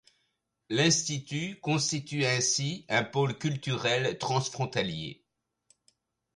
L’Institut constitue ainsi un pôle culturel transfrontalier.